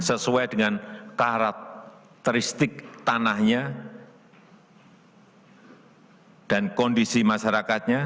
sesuai dengan karakteristik tanahnya dan kondisi masyarakatnya